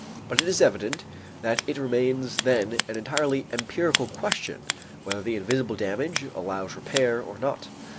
But it is evident that it remains then an entirely empirical question whether the invisible damage allows repair or not.